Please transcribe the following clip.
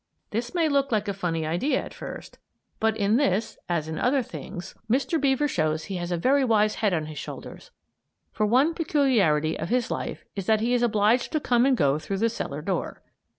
This may look like a funny idea at first, but in this, as in other things, Mr. Beaver shows he has a very wise head on his shoulders; for one peculiarity of his life is that he is obliged to come and go through the cellar door.